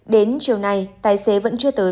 đến chiều nay tài xế vẫn chưa tới